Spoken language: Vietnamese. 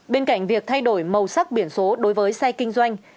bên cạnh việc thay đổi màu sắc biển số đối với xe kinh doanh